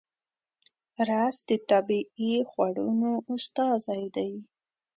رس د طبیعي خوړنو استازی دی